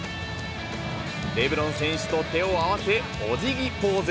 レブロン選手と手を合わせ、おじぎポーズ。